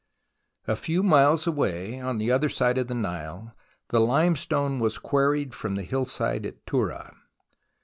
A few miles away, on the other side of the Nile, the hmestone was quarried from the hillside at Turah.